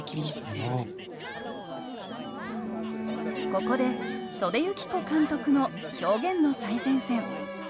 ここで岨手由貴子監督の「表現の最前線」。